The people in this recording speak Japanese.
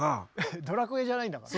「ドラクエ」じゃないんだから。